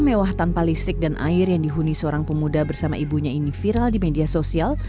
mewah tanpa listrik dan air yang dihuni seorang pemuda bersama ibunya ini viral di media sosial